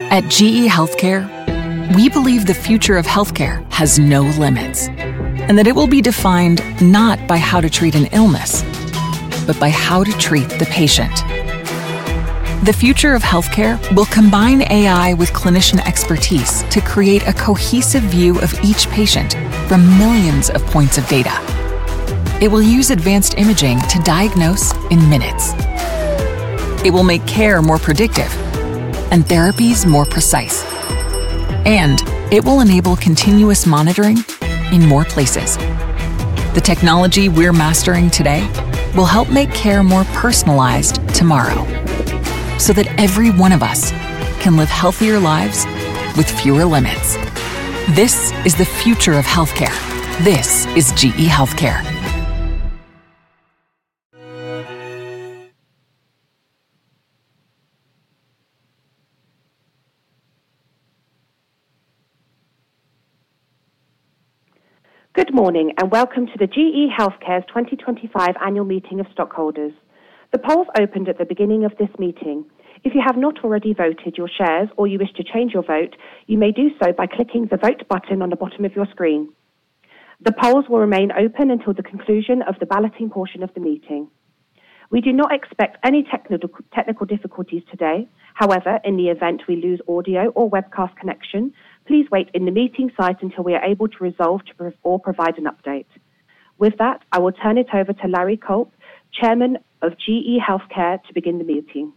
At GE HealthCare, we believe the future of healthcare has no limits, and that it will be defined not by how to treat an illness, but by how to treat the patient. The future of healthcare will combine AI with clinician expertise to create a cohesive view of each patient from millions of points of data. It will use advanced imaging to diagnose in minutes. It will make care more predictive and therapies more precise. It will enable continuous monitoring in more places. The technology we're mastering today will help make care more personalized tomorrow, so that every one of us can live healthier lives with fewer limits. This is the future of healthcare. This is GE HealthCare. Good morning and welcome to the GE HealthCare 2025 Annual Meeting of Stockholders. The polls opened at the beginning of this meeting. If you have not already voted your shares or you wish to change your vote, you may do so by clicking the Vote button on the bottom of your screen. The polls will remain open until the conclusion of the balloting portion of the meeting. We do not expect any technical difficulties today. However, in the event we lose audio or webcast connection, please wait in the meeting site until we are able to resolve or provide an update. With that, I will turn it over to Larry Culp, Chairman of GE HealthCare, to begin the meeting.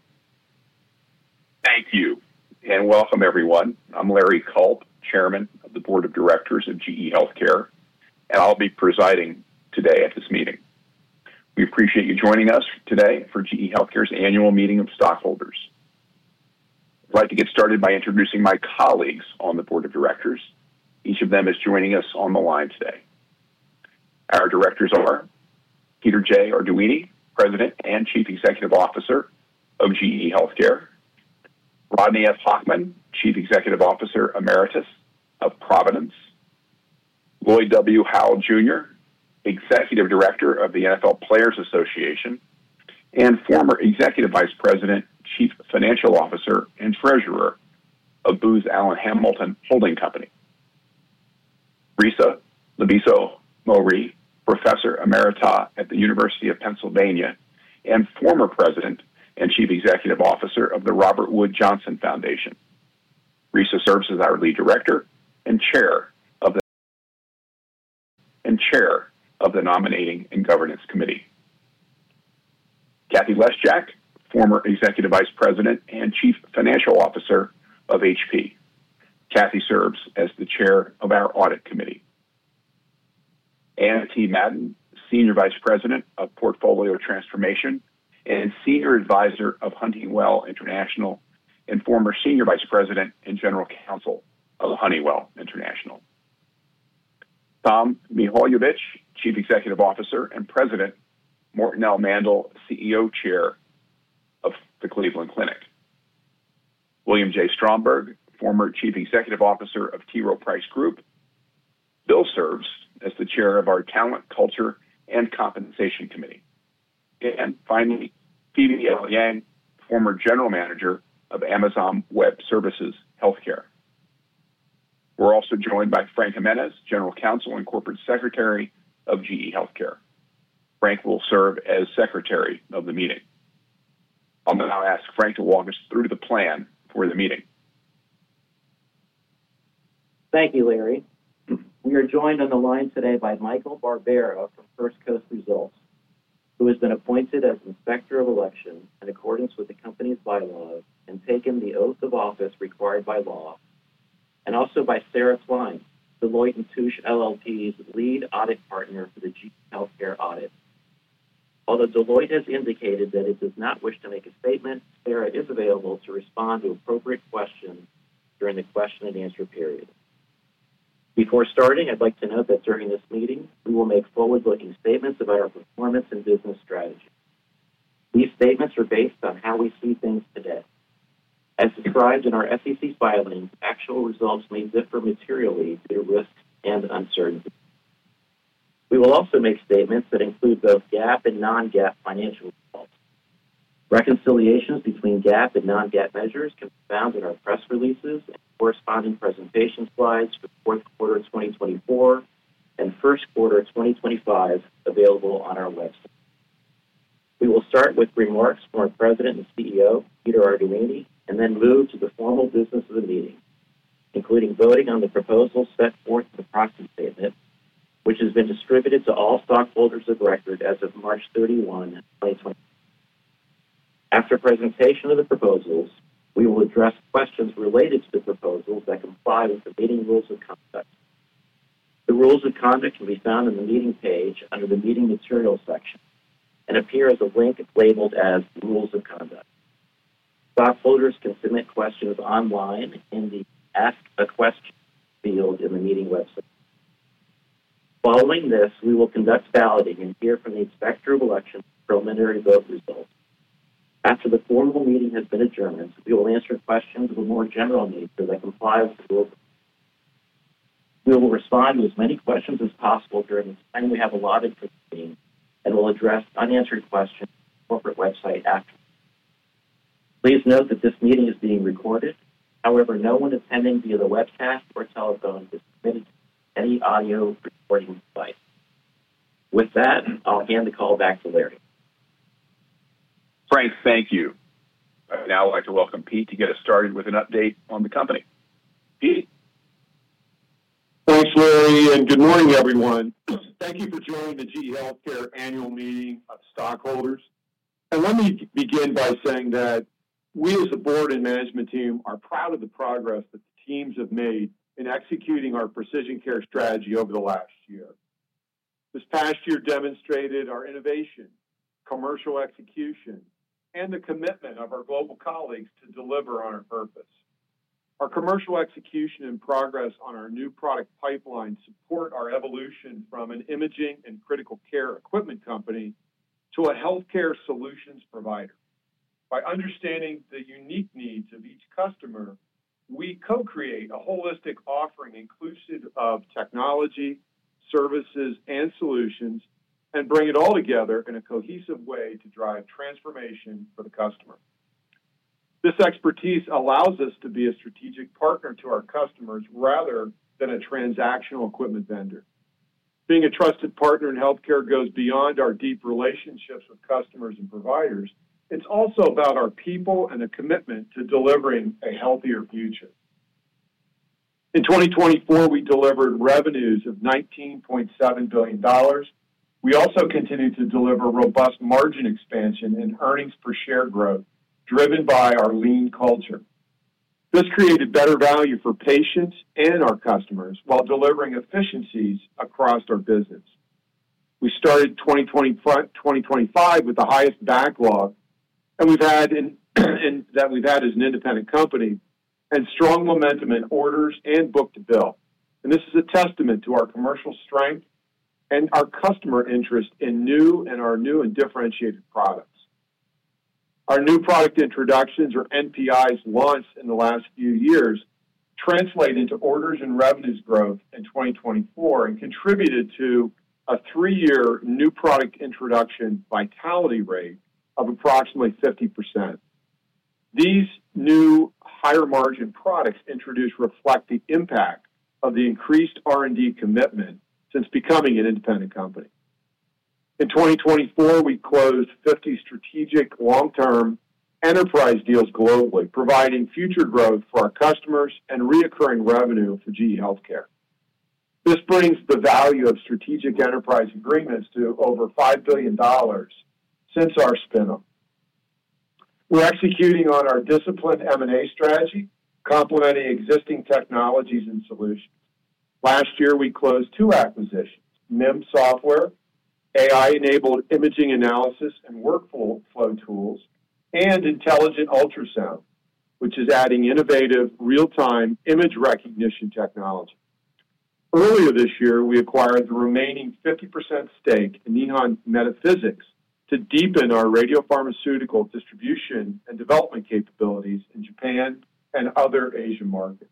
Thank you and welcome, everyone. I'm Larry Culp, Chairman of the Board of Directors of GE HealthCare, and I'll be presiding today at this meeting. We appreciate you joining us today for GE HealthCare's Annual Meeting of Stockholders. I'd like to get started by introducing my colleagues on the Board of Directors. Each of them is joining us on the line today. Our directors are Peter J. Arduini, President and Chief Executive Officer of GE HealthCare; Rodney F. Hochman, Chief Executive Officer emeritus of Providence; Lloyd W. Howell Jr., Executive Director of the NFL Players Association and former Executive Vice President, Chief Financial Officer, and Treasurer of Booz Allen Hamilton; Risa Lavizzo-Mourey, Professor emiritus at the University of Pennsylvania and former President and Chief Executive Officer of the Robert Wood Johnson Foundation. Risa serves as our lead director and chair of the Nominating and Governance Committee. Cathie Lesjak, former Executive Vice President and Chief Financial Officer of HP. Cathie serves as the chair of our Audit Committee. Anne T. Madden, Senior Vice President of Portfolio Transformation and Senior Advisor of Honeywell International, and former Senior Vice President and General Counsel of Honeywell International. Tom Mihaljevic, Chief Executive Officer and President, Morton L. Mandel, CEO/Chair of the Cleveland Clinic. William J. Stromberg, former Chief Executive Officer of T. Rowe Price Group. Bill serves as the chair of our Talent, Culture and Compensation Committee. Finally, Phoebe L. Yang, former General Manager of Amazon Web Services Healthcare. We're also joined by Frank Jimenez, General Counsel and Corporate Secretary of GE HealthCare. Frank will serve as Secretary of the meeting. I'm going to ask Frank to walk us through the plan for the meeting. Thank you, Larry. We are joined on the line today by Michael Barbera from First Coast Results, who has been appointed as Inspector of Election in accordance with the company's bylaws and taken the oath of office required by law, and also by Sarah Klein, Deloitte & Touche LLP's lead audit partner for the GE HealthCare audit. Although Deloitte has indicated that it does not wish to make a statement, Sarah is available to respond to appropriate questions during the question and answer period. Before starting, I'd like to note that during this meeting, we will make forward-looking statements about our performance and business strategy. These statements are based on how we see things today. As described in our SEC filings, actual results may differ materially due to risks and uncertainties. We will also make statements that include both GAAP and non-GAAP financial results. Reconciliations between GAAP and non-GAAP measures can be found in our press releases and corresponding presentation slides for the fourth quarter of 2024 and first quarter of 2025 available on our website. We will start with remarks from our President and CEO, Peter Arduini, and then move to the formal business of the meeting, including voting on the proposals set forth in the Proxy Statement, which has been distributed to all stockholders of record as of March 31, 2024. After presentation of the proposals, we will address questions related to the proposals that comply with the meeting Rules of Conduct. The Rules of Conduct can be found on the meeting page under the Meeting Materials section and appear as a link labeled as Rules of Conduct. Stockholders can submit questions online in the Ask a Question field in the meeting website. Following this, we will conduct balloting and hear from the Inspector of Election's preliminary vote results. After the formal meeting has been adjourned, we will answer questions of a more general nature that comply with the rules. We will respond to as many questions as possible during the time we have allotted for the meeting and will address unanswered questions on the corporate website afterwards. Please note that this meeting is being recorded. However, no one attending via the webcast or telephone is permitted to use any audio recording device. With that, I'll hand the call back to Larry. Frank, thank you. Now I'd like to welcome Pete to get us started with an update on the company. Pete? Thanks, Larry, and good morning, everyone. [Thank you for joining the GE HealthCare Annual Meeting of Stockholders]. Let me begin by saying that we, as the board and management team, are proud of the progress that the teams have made in executing our precision care strategy over the last year. This past year demonstrated our innovation, commercial execution, and the commitment of our global colleagues to deliver on our purpose. Our commercial execution and progress on our new product pipeline support our evolution from an imaging and critical care equipment company to a healthcare solutions provider. By understanding the unique needs of each customer, we co-create a holistic offering inclusive of technology, services, and solutions, and bring it all together in a cohesive way to drive transformation for the customer. This expertise allows us to be a strategic partner to our customers rather than a transactional equipment vendor. Being a trusted partner in healthcare goes beyond our deep relationships with customers and providers. It's also about our people and the commitment to delivering a healthier future. In 2024, we delivered revenues of $19.7 billion. We also continue to deliver robust margin expansion and earnings per share growth driven by our lean culture. This created better value for patients and our customers while delivering efficiencies across our business. We started 2025 with the highest backlog that we've had as an independent company and strong momentum in orders and book to bill. This is a testament to our commercial strength and our customer interest in our new and differentiated products. Our new product introductions, or NPIs, launched in the last few years, translated into orders and revenues growth in 2024 and contributed to a three-year new product introduction vitality rate of approximately 50%. These new higher margin products introduced reflect the impact of the increased R&D commitment since becoming an independent company. In 2024, we closed 50 strategic long-term enterprise deals globally, providing future growth for our customers and recurring revenue for GE HealthCare. This brings the value of strategic enterprise agreements to over $5 billion since our spin-off. We're executing on our disciplined M&A strategy, complementing existing technologies and solutions. Last year, we closed two acquisitions: MIM Software, AI-enabled imaging analysis and workflow tools, and Intelligent Ultrasound, which is adding innovative real-time image recognition technology. Earlier this year, we acquired the remaining 50% stake in Nihon Medi-Physics to deepen our radiopharmaceutical distribution and development capabilities in Japan and other Asian markets.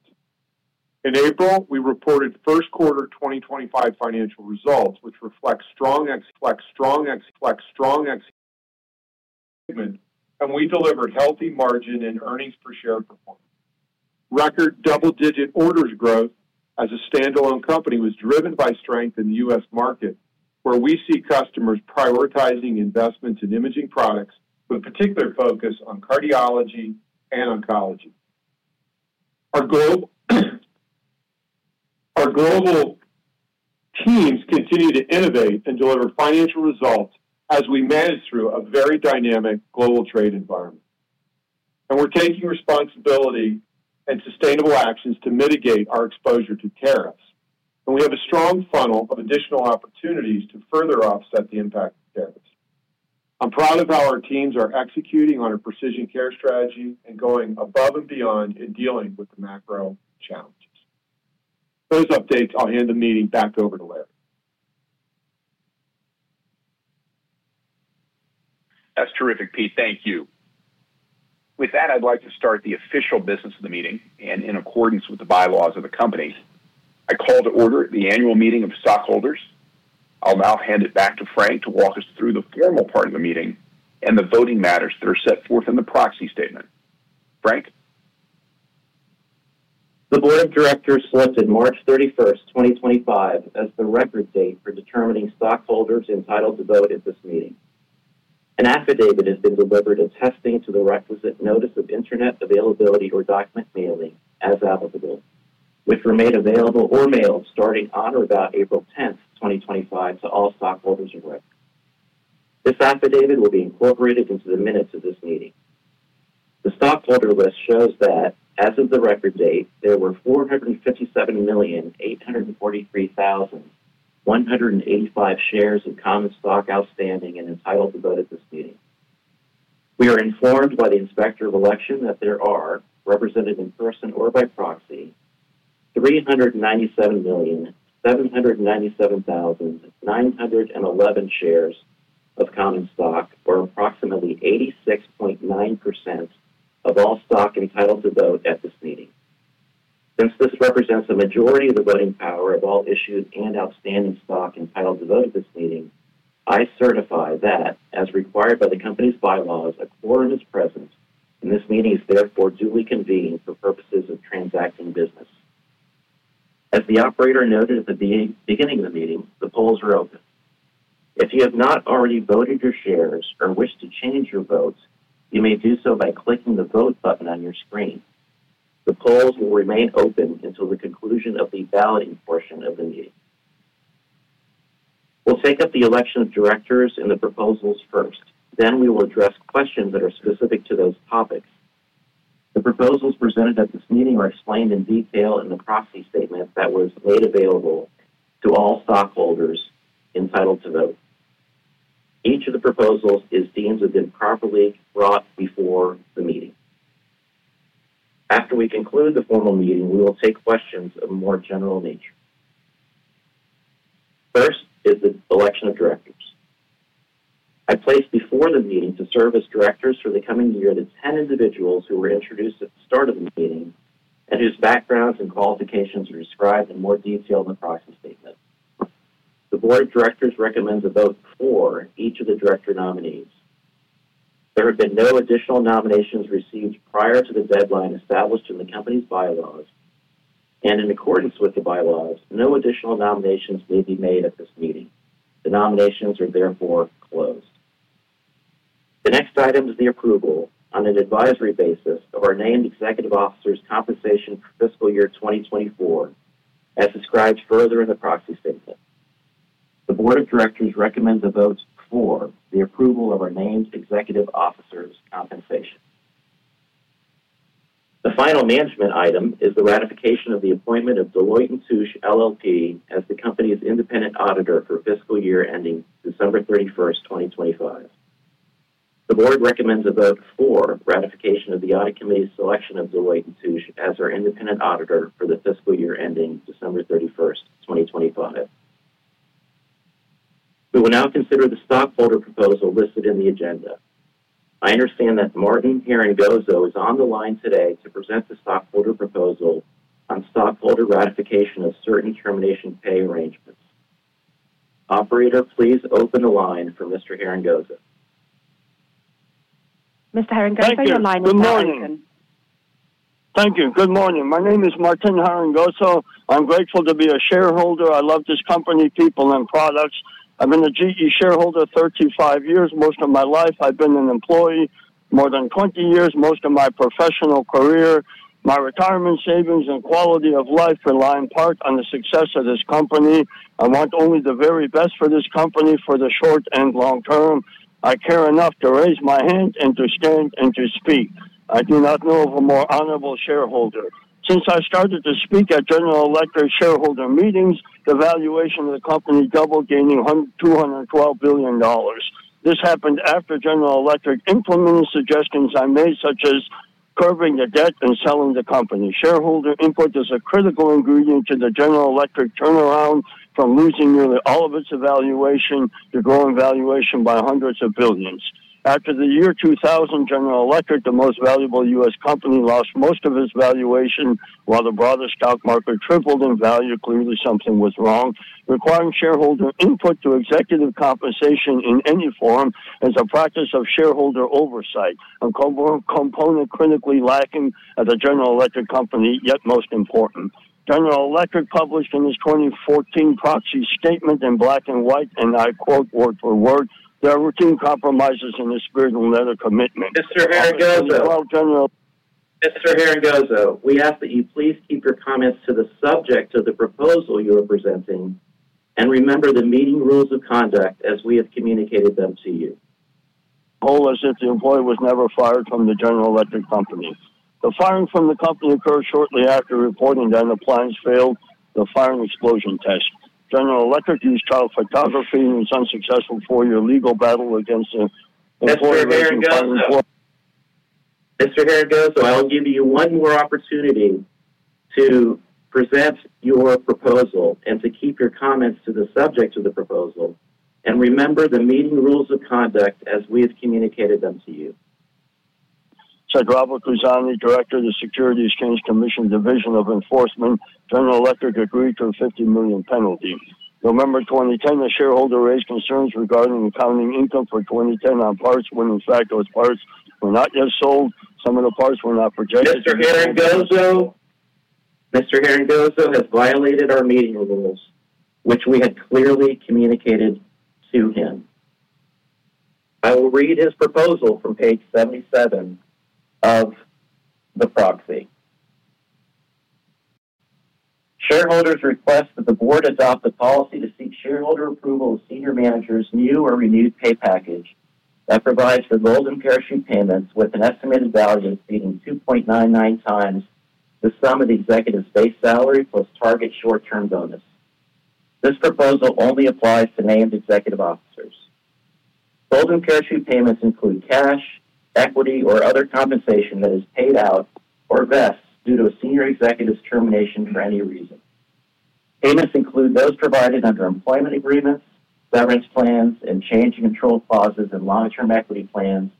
In April, we reported first quarter 2025 financial results, which reflect strong [executive commitment], and we delivered healthy margin and earnings per share [performance]. Record double-digit orders growth as a standalone company was driven by strength in the U.S. market, where we see customers prioritizing investments in imaging products with a particular focus on cardiology and oncology. Our global teams continue to innovate and deliver financial results as we manage through a very dynamic global trade environment. We are taking responsibility and sustainable actions to mitigate our exposure to tariffs. We have a strong funnel of additional opportunities to further offset the impact of tariffs. I'm proud of how our teams are executing on our precision care strategy and going above and beyond in dealing with the macro challenges. For those updates, I'll hand the meeting back over to Larry. That's terrific, Pete. Thank you. With that, I'd like to start the official business of the meeting. In accordance with the bylaws of the company, I call to order the Annual Meeting of Stockholders. I'll now hand it back to Frank to walk us through the formal part of the meeting and the voting matters that are set forth in the Proxy Statement. Frank? The Board of Directors selected March 31, 2025, as the record date for determining stockholders entitled to vote at this meeting. An affidavit has been delivered attesting to the requisite notice of internet availability or document mailing, as applicable, which were made available or mailed starting on or about April 10, 2025, to all stockholders in record. This affidavit will be incorporated into the minutes of this meeting. The stockholder list shows that, as of the record date, there were 457,843,185 shares of common stock outstanding and entitled to vote at this meeting. We are informed by the Inspector of Election that there are, represented in person or by proxy, 397,797,911 shares of common stock, or approximately 86.9% of all stock entitled to vote at this meeting. Since this represents a majority of the voting power of all issued and outstanding stock entitled to vote at this meeting, I certify that, as required by the company's bylaws, a quorum is present, and this meeting is therefore duly convened for purposes of transacting business. As the operator noted at the beginning of the meeting, the polls are open. If you have not already voted your shares or wish to change your votes, you may do so by clicking the Vote button on your screen. The polls will remain open until the conclusion of the balloting portion of the meeting. We will take up the election of directors and the proposals first. Then we will address questions that are specific to those topics. The proposals presented at this meeting are explained in detail in the Proxy Statement that was made available to all stockholders entitled to vote. Each of the proposals is deemed to have been properly brought before the meeting. After we conclude the formal meeting, we will take questions of a more general nature. First is the election of directors. I placed before the meeting to serve as directors for the coming year the 10 individuals who were introduced at the start of the meeting and whose backgrounds and qualifications are described in more detail in the Proxy Statement. The Board of Directors recommends a vote for each of the director nominees. There have been no additional nominations received prior to the deadline established in the company's bylaws. In accordance with the bylaws, no additional nominations may be made at this meeting. The nominations are therefore closed. The next item is the approval, on an advisory basis, of our named executive officers' compensation for fiscal year 2024, as described further in the Proxy Statement. The Board of Directors recommends a vote for the approval of our named executive officers' compensation. The final management item is the ratification of the appointment of Deloitte & Touche LLP as the company's independent auditor for fiscal year ending December 31, 2025. The Board recommends a vote for ratification of the Audit Committee's selection of Deloitte & Touche as our independent auditor for the fiscal year ending December 31, 2025. We will now consider the stockholder proposal listed in the agenda. I understand that Martin Herringozo is on the line today to present the stockholder proposal on stockholder ratification of certain termination pay arrangements. Operator, please open the line for Mr. Herringozo. Mr. Herringozo, your line is now open. Good morning. Thank you. Good morning. My name is Martin Herringozo. I'm grateful to be a shareholder. I love this company, people, and products. I've been a GE shareholder 35 years, most of my life. I've been an employee more than 20 years, most of my professional career. My retirement savings and quality of life rely in part on the success of this company. I want only the very best for this company for the short and long-term. I care enough to raise my hand and to stand and to speak. I do not know of a more honorable shareholder. Since I started to speak at General Electric shareholder meetings, the valuation of the company doubled, gaining $212 billion. This happened after General Electric implemented suggestions I made, such as curbing the debt and selling the company. [shareholder] input is a critical ingredient to the General Electric turnaround, from losing nearly all of its valuation to growing valuation by hundreds of billions. After the year 2000, General Electric, the most valuable U.S. company, lost most of its valuation while the broader stock market tripled in value. Clearly, something was wrong. Requiring shareholder input to executive compensation in any form is a practice of shareholder oversight, a component critically lacking at a General Electric company, yet most important. General Electric published in its 2014 Proxy Statement in black and white, and I quote word for word, "There are routine compromises in the spirit of another commitment." Mr. Herringozo. Mr. Herringozo, we ask that you please keep your comments to the subject of the proposal you are presenting and remember the meeting Rules of Conduct as we have communicated them to you. The hole was that the employee was never fired from the General Electric company. The firing from the company occurred shortly after reporting that the plans failed the firing explosion test. General Electric used child photography in its unsuccessful four-year legal battle against the employee. Mr. Herringozo, I'll give you one more opportunity to present your proposal and to keep your comments to the subject of the proposal. Remember the meeting Rules of Conduct as we have communicated them to you. Cedrillo Cuzzone, Director of the Securities and Exchange Commission Division of Enforcement, General Electric agreed to a $50 million penalty. November 2010, the shareholder raised concerns regarding accounting income for 2010 on parts when, in fact, those parts were not yet sold. Some of the parts were not projected. Mr. Herringozo has violated our meeting rules, which we had clearly communicated to him. I will read his proposal from page 77 of the Proxy. Shareholders request that the board adopt a policy to seek shareholder approval of senior managers' new or renewed pay package that provides for golden parachute payments with an estimated value exceeding 2.99 times the sum of the executive's base salary plus target short-term bonus. This proposal only applies to named executive officers. Golden parachute payments include cash, equity, or other compensation that is paid out or vests due to a senior executive's termination for any reason. Payments include those provided under employment agreements, severance plans, and change and control clauses in long-term equity plans,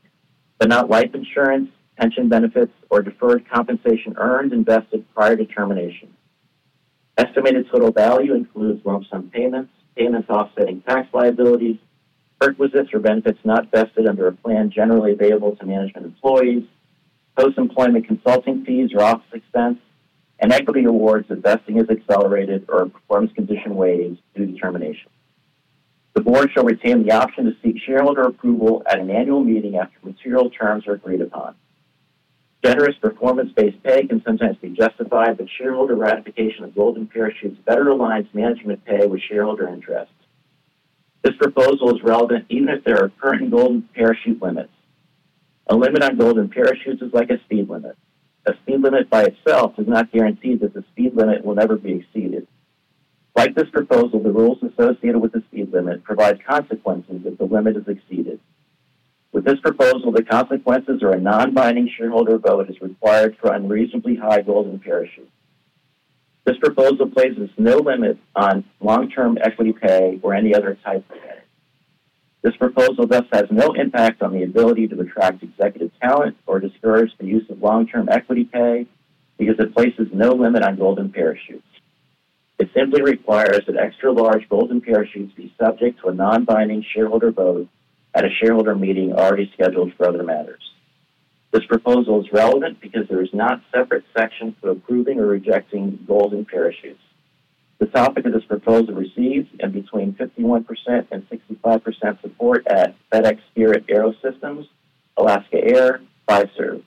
but not life insurance, pension benefits, or deferred compensation earned and vested prior to termination. Estimated total value includes lump sum payments, payments offsetting tax liabilities, requisites or benefits not vested under a plan generally available to management employees, post-employment consulting fees or office expense, and equity awards investing as accelerated or performance condition waitings due to termination. The board shall retain the option to seek shareholder approval at an annual meeting after material terms are agreed upon. Generous performance-based pay can sometimes be justified, but shareholder ratification of golden parachutes better aligns management pay with shareholder interests. This proposal is relevant even if there are current golden parachute limits. A limit on golden parachutes is like a speed limit. A speed limit by itself does not guarantee that the speed limit will never be exceeded. Like this proposal, the rules associated with the speed limit provide consequences if the limit is exceeded. With this proposal, the consequences are a non-binding shareholder vote is required for unreasonably high golden parachutes. This proposal places no limit on long-term equity pay or any other type of pay. This proposal thus has no impact on the ability to attract executive talent or discourage the use of long-term equity pay because it places no limit on golden parachutes. It simply requires that extra-large golden parachutes be subject to a non-binding shareholder vote at a shareholder meeting already scheduled for other matters. This proposal is relevant because there is not a separate section for approving or rejecting golden parachutes. The topic of this proposal receives between 51% and 65% support at FedEx, Spirit AeroSystems, Alaska Air, Fiserv.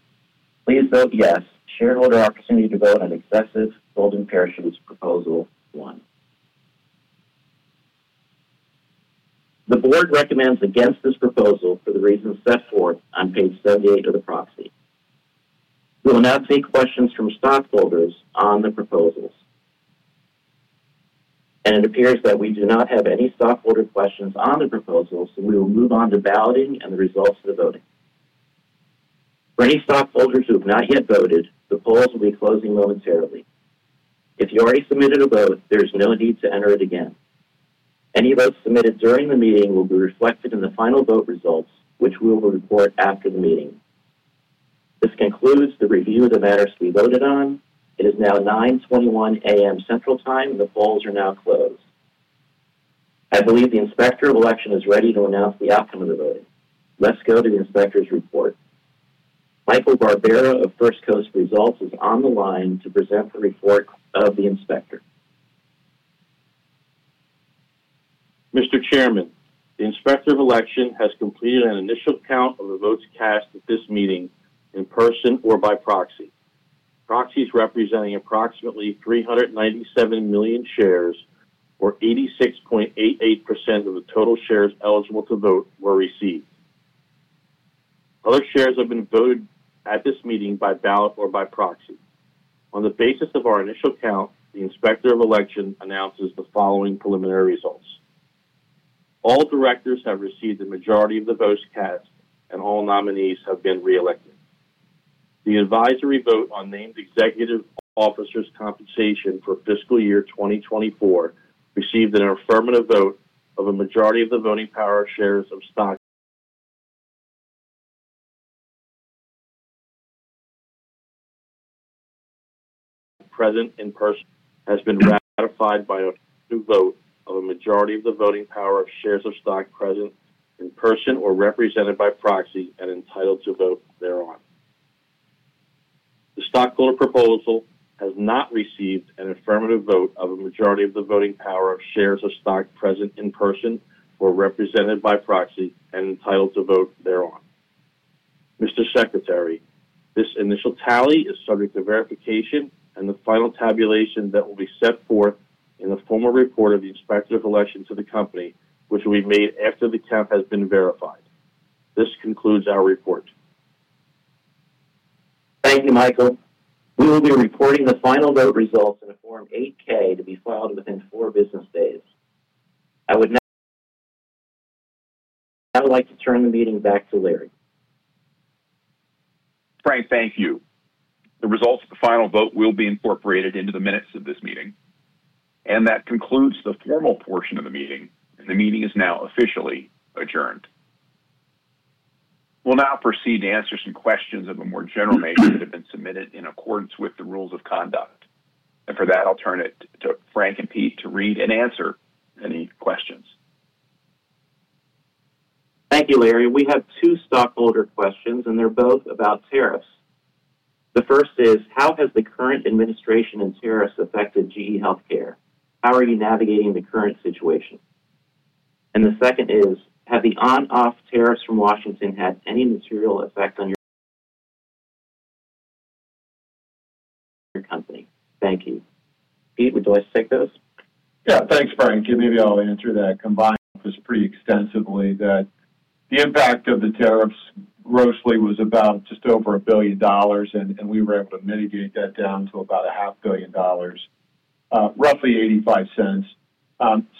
Please vote yes. Shareholder opportunity to vote on excessive golden parachutes proposal one. The board recommends against this proposal for the reasons set forth on page 78 of the Proxy. We will now take questions from stockholders on the proposals. It appears that we do not have any stockholder questions on the proposal, so we will move on to balloting and the results of the voting. For any stockholders who have not yet voted, the polls will be closing momentarily. If you already submitted a vote, there is no need to enter it again. Any votes submitted during the meeting will be reflected in the final vote results, which we will report after the meeting. This concludes the review of the matters we voted on. It is now 9:21 A.M. Central Time. The polls are now closed. I believe the Inspector of Election is ready to announce the outcome of the voting. Let's go to the Inspector's report. Michael Barbera of First Coast Results is on the line to present the report of the Inspector. Mr. Chairman, the Inspector of Election has completed an initial count of the votes cast at this meeting in person or by proxy. Proxies representing approximately 397 million shares, or 86.88% of the total shares eligible to vote, were received. Other shares have been voted at this meeting by ballot or by proxy. On the basis of our initial count, the Inspector of Election announces the following preliminary results. All directors have received the majority of the votes cast, and all nominees have been reelected. The advisory vote on named executive officers' compensation for fiscal year 2024 received an affirmative vote of a majority of the voting power of shares of stock present in person or represented by proxy and entitled to vote thereon. The stockholder proposal has not received an affirmative vote of a majority of the voting power of shares of stock present in person or represented by proxy and entitled to vote thereon. Mr. Secretary, this initial tally is subject to verification and the final tabulation that will be set forth in the formal report of the Inspector of Election to the company, which will be made after the count has been verified. This concludes our report. Thank you, Michael. We will be reporting the final vote results in Form 8-K to be filed within four business days. I would now like to turn the meeting back to Larry. Frank, thank you. The results of the final vote will be incorporated into the minutes of this meeting. That concludes the formal portion of the meeting. The meeting is now officially adjourned. We'll now proceed to answer some questions of a more general nature that have been submitted in accordance with the Rules of Conduct. For that, I'll turn it to Frank and Pete to read and answer any questions. Thank you, Larry. We have two stockholder questions, and they're both about tariffs. The first is, how has the current administration and tariffs affected GE HealthCare? How are you navigating the current situation? The second is, have the on-off tariffs from Washington had any material effect on your company? Thank you. Pete, would you like to take those? Yeah. Thanks, Frank. Maybe I'll answer that combined pretty extensively that the impact of the tariffs grossly was about just over $1 billion, and we were able to mitigate that down to about $500 million, roughly $0.85.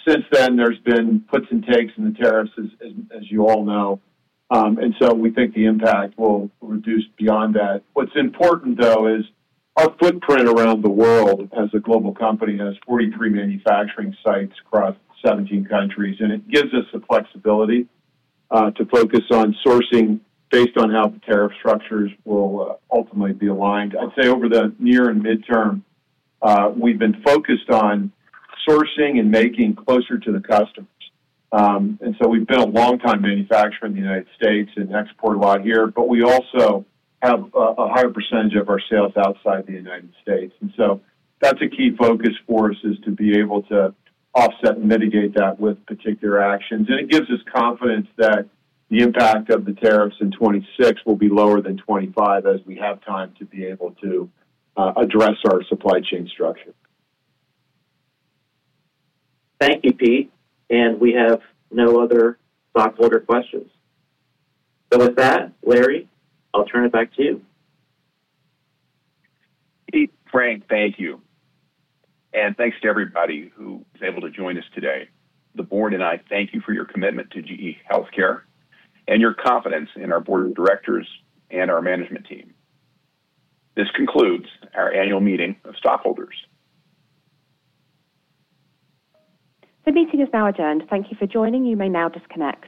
Since then, there's been puts and takes in the tariffs, as you all know. We think the impact will reduce beyond that. What's important, though, is our footprint around the world as a global company has 43 manufacturing sites across 17 countries, and it gives us the flexibility to focus on sourcing based on how the tariff structures will ultimately be aligned. I'd say over the near and midterm, we've been focused on sourcing and making closer to the customers. We have been a long-time manufacturer in the United States and export a lot here, but we also have a higher % of our sales outside the United States. That is a key focus for us, to be able to offset and mitigate that with particular actions. It gives us confidence that the impact of the tariffs in 2026 will be lower than 2025 as we have time to be able to address our supply chain structure. Thank you, Pete. We have no other stockholder questions. With that, Larry, I'll turn it back to you. Pete, Frank, thank you. Thank you to everybody who was able to join us today. The board and I thank you for your commitment to GE HealthCare and your confidence in our board of directors and our management team. This concludes our annual meeting of stockholders. The meeting is now adjourned. Thank you for joining. You may now disconnect.